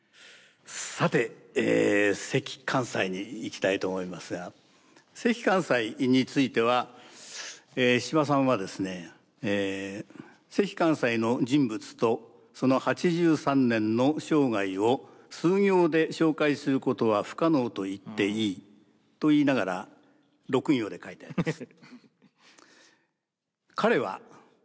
さて関寛斎にいきたいと思いますが関寛斎については司馬さんはですね「関寛斎の人物とその８３年の生涯を数行で紹介することは不可能と言っていい」と言いながら６行で書いてあります。